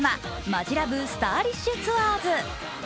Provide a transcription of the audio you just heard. マジＬＯＶＥスターリッシュツアーズ」。